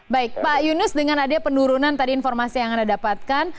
baik pak yunus dengan adanya penurunan tadi informasi yang anda dapatkan